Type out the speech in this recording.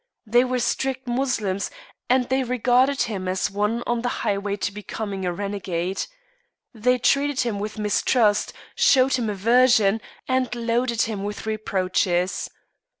They were strict Moslems, and they regarded him as one on the highway to becoming a renegade. They treated him with mistrust, showed him aversion, and loaded him with reproaches.